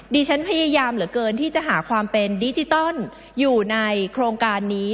ดิฉันพยายามเหลือเกินที่จะหาความเป็นดิจิตอลอยู่ในโครงการนี้